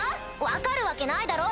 分かるわけないだろ？